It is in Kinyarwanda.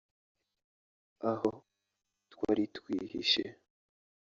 aho twari twihishe